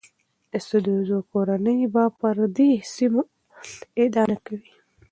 د سدوزو کورنۍ به پر دې سیمو ادعا نه کوي.